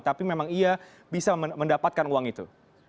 tapi memang ia bisa mendapatkan uang itu